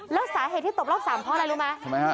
แล้วสาเหตุที่ตบรอบ๓เพราะอะไรรู้ไหมทำไมฮะ